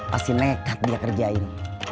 pasti nekat dia kerjain